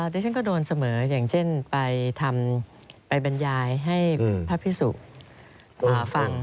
ดิฉันก็โดนเสมออย่างเช่นไปทำไปบรรยายให้พระพิสุฟัง